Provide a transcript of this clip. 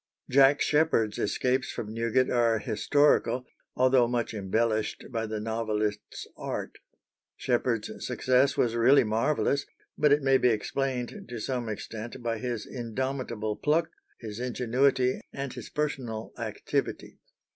Jack Sheppard's escapes from Newgate are historical, although much embellished by the novelist's art. Sheppard's success was really marvellous, but it may be explained to some extent by his indomitable pluck, his ingenuity, and his personal activity.